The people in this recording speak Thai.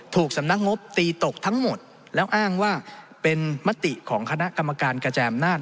ถูกสำนักงบตีตกทั้งหมดแล้วอ้างว่าเป็นมติของคณะกรรมการกระจายอำนาจ